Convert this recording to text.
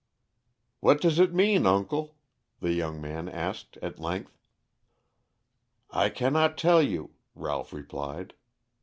"What does it mean, uncle?" the young man asked at length. "I cannot tell you," Ralph replied.